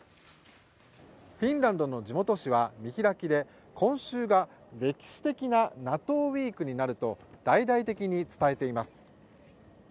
フィンランドの地元紙は見開きで今週が歴史的なＮＡＴＯウィークになると大々的に伝えています。